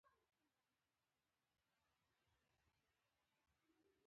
لستوڼي یې پراخ او لنډ و.